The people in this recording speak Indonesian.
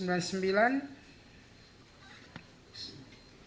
pihak yang diduga pemberantasan tindak pidana korupsi